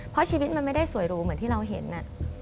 เพราะชีวิตมันไม่ได้สวยหรูเหมือนที่เราเห็น